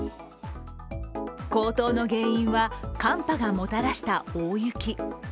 高騰の原因は寒波がもたらした大雪。